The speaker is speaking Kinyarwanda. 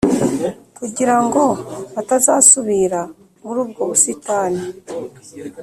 Kugira ngo batazasubira muri ubwo busitani